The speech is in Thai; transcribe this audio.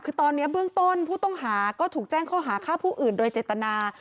คือตอนนี้เบื้องต้นผู้ต้องหาก็ถูกแจ้งข้อหาฆ่าผู้อื่นโดยเจตนา